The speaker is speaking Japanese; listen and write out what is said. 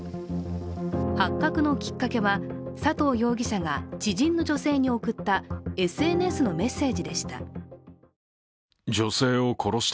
発覚のきっかけは、佐藤容疑者が知人の女性に送ったＳＮＳのメッセージでした。